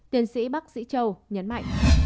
tuyển sĩ bác sĩ châu nhấn mạnh